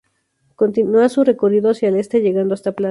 Continúa su recorrido hacia el este llegando hasta Planes.